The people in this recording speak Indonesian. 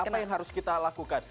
apa nih apa yang harus kita lakukan